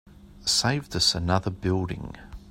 Saved us another building.